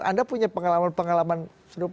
anda punya pengalaman pengalaman sudah apa